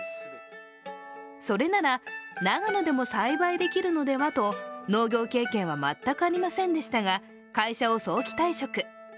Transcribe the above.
それなら長野でも栽培できるのではと農業経験は全くありませんでしたが会社を早期退職。